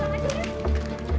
jangan jangan tante indi honest